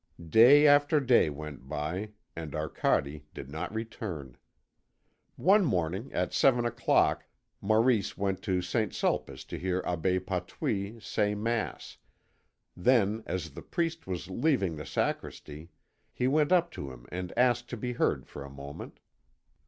Day after day went by, and Arcade did not return. One morning, at seven o'clock, Maurice went to St. Sulpice to hear Abbé Patouille say Mass, then, as the priest was leaving the sacristy, he went up to him and asked to be heard for a moment.